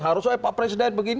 harus pak presiden begini